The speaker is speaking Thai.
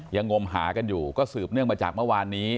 งมหากันอยู่ก็สืบเนื่องมาจากเมื่อวานนี้